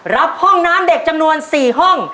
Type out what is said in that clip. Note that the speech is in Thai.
รับห้องน้ำเด็กจำนวน๔ห้อง